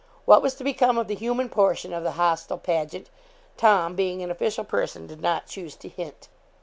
What was to become of the human portion of the hostile pageant, Tom, being an official person, did not choose to hint.